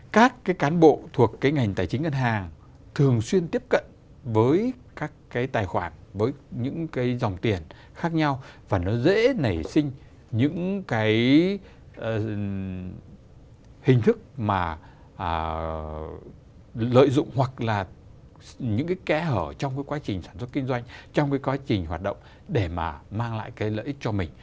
các cán bộ thuộc ngành tài chính ngân hàng thường xuyên tiếp cận với các tài khoản với những dòng tiền khác nhau và nó dễ nảy sinh những hình thức lợi dụng hoặc kẽ hở trong quá trình sản xuất kinh doanh trong quá trình hoạt động để mang lại lợi ích cho mình